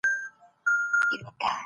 ولي موږ د خپلو غوښتنو په اړه تېروځو؟